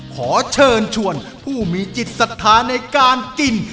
ขอเชิญชวนผู้มีจิตสถานในการกิน